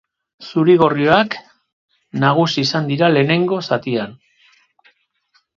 Zurigorriak nagusi izan dira lehenengo zatian.